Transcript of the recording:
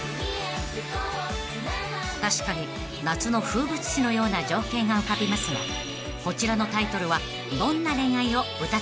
［確かに夏の風物詩のような情景が浮かびますがこちらのタイトルは］